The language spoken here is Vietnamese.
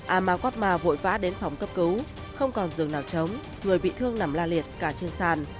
amagutma vội vã đến phòng cấp cứu không còn giường nào chống người bị thương nằm la liệt cả trên sàn